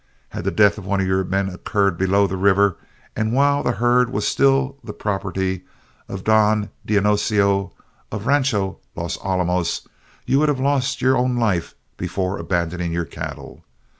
Had the death of one of your men occurred below the river, and while the herd was still the property of Don Dionisio of Rancho Los Olmus, you would have lost your own life before abandoning your cattle.